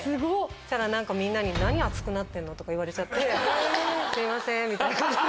そしたらみんなに何熱くなってんの？とか言われちゃってすいませんみたいな感じに。